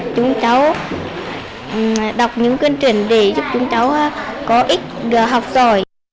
chúng cháu đọc những cuốn truyền để giúp chúng cháu có ích học giỏi